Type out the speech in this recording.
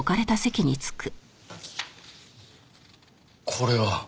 これは。